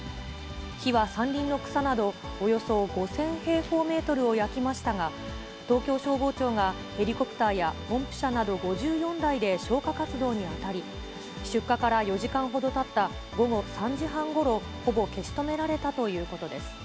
火は山林の草などおよそ５０００平方メートルを焼きましたが、東京消防庁がヘリコプターやポンプ車など５４台で消火活動に当たり、出火から４時間ほどたった午後３時半ごろ、ほぼ消し止められたということです。